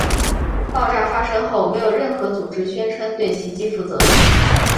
爆炸发生后没有任何组织宣称对袭击负责。